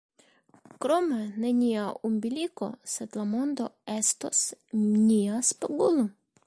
Krome, ne nia umbiliko, sed la mondo estos nia spegulo.